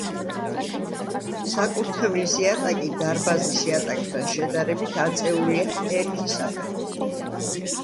საკურთხევლის იატაკი დარბაზის იატაკთან შედარებით აწეულია ერთი საფეხურით.